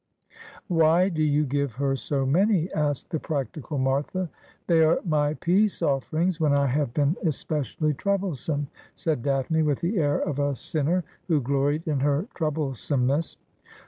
' Why do you give her so many ?' asked the practical Martha. ' They are my peace ofEerings when I have been especially troublesome,' said Daphne, with the air of a sinner who gloried in her troublesomeness.